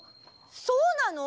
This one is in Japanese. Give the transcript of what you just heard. そうなの！？